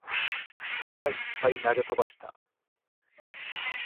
力いっぱい投げ飛ばした